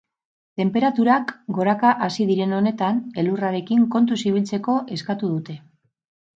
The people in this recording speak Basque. Tenperaturak goraka hasi diren honetan, elurrarekin kontuz ibiltzeko eskatu dute.